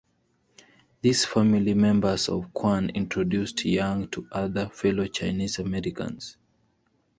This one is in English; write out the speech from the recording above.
These family members of Kwan introduced Yang to other fellow Chinese Americans.